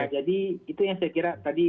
itu yang saya kira tadi